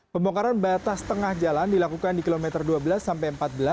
pembongkaran batas tengah jalan dilakukan di kilometer dua belas sampai empat belas